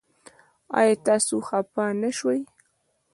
ایا تاسو خفه نه شوئ؟